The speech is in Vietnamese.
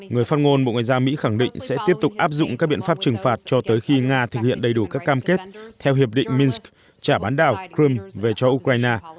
người phát ngôn bộ ngoại giao mỹ khẳng định sẽ tiếp tục áp dụng các biện pháp trừng phạt cho tới khi nga thực hiện đầy đủ các cam kết theo hiệp định minsk trả bán đảo crimea về cho ukraine